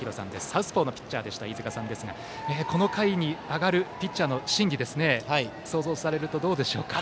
サウスポーのピッチャーだった飯塚さんですがこの回に上がるピッチャーの心理想像されるとどうでしょうか。